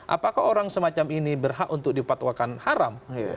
apakah orang semacam ini berhak untuk dipatwakan haram